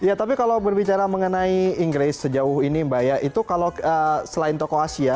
ya tapi kalau berbicara mengenai inggris sejauh ini mbak ya itu kalau selain toko asia